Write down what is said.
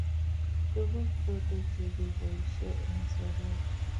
Tuguk choto chegeboishe eng sobet